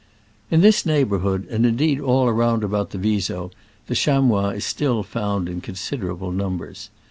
In this neighborhood, and indeed all round about the Viso, the chamois still remain in considerable numbers.